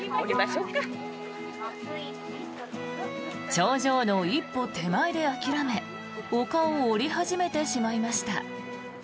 頂上の一歩手前で諦め丘を下り始めてしまいました。